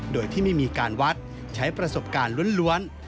โดยที่ไม่มีการวัดใช้ประสบการณ์ล้วน